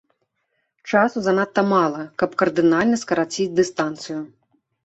Часу занадта мала, каб кардынальна скараціць дыстанцыю.